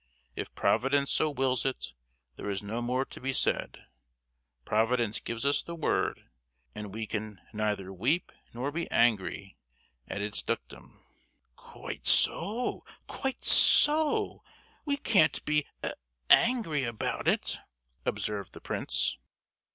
If Providence so wills it, there is no more to be said. Providence gives the word, and we can neither weep nor be angry at its dictum." "Quite so, quite so. We can't be a—angry about it," observed the prince.